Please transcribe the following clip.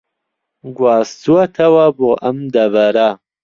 گواستووەتەوە بۆ ئەم دەڤەرە